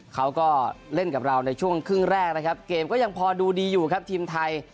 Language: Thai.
เขาก็เล่นกับเราในช่วงครึ่งแรกนะครับเกมก็ยังพอดูดีอยู่ครับทีมไทย